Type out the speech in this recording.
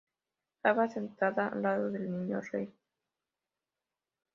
Estaba sentada al lado del niño rey.